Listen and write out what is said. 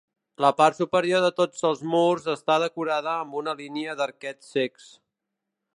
La part superior de tots els murs està decorada amb una línia d'arquets cecs.